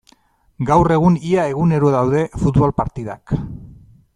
Gaur egun ia egunero daude futbol partidak.